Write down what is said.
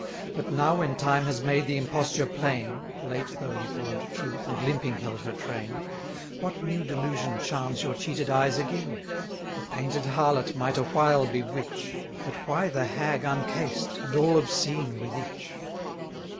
But now when time has made the imposture plain (Late though he follow'd truth, and limping held her train), What new delusion charms your cheated eyes again? The painted harlot might a while bewitch, But why the hag uncased, and all obscene with itch?